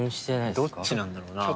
どっちなんだろうな？